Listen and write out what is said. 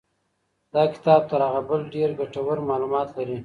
دا کتاب تر هغه بل ډېر ګټور معلومات لري.